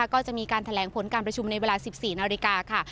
ก็จะมีการแถลงผลการประชุมในเวลา๑๔นาฬิกาค่ะ